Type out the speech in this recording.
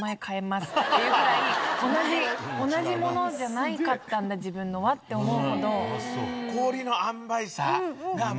っていうぐらい「同じモノじゃなかったんだ自分のは」って思うほど。